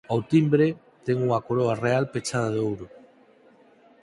Ó timbre ten unha coroa real pechada de ouro.